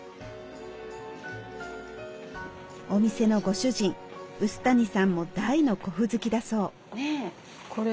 お店のご主人臼谷さんも大の古布好きだそう。